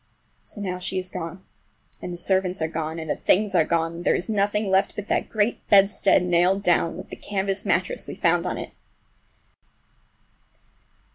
So now she is gone, and the servants are gone, and the things are gone, and there is nothing left but that great bedstead nailed down, with the canvas mattress we found on it.